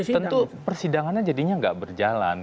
tentu persidangannya jadinya gak berjalan